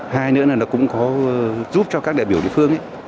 hai nữa là nó cũng có giúp cho các đại biểu địa phương